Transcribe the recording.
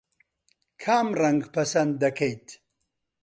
کام ڕەنگ پەسەند دەکەیت؟